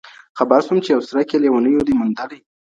خبر سوم چي یو څرک یې لېونیو دی میندلی.